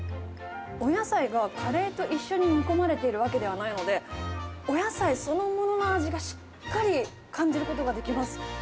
お野菜がカレーと一緒に煮込まれているわけではないので、お野菜そのものの味がしっかり感じることができます。